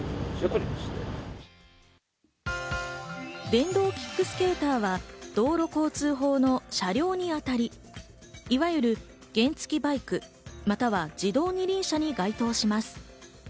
電動キックスケーターは道路交通法の車両にあたり、いわゆる原付バイク、または自動二輪車に該当します。